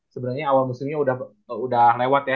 sebenarnya awal musimnya udah lewat ya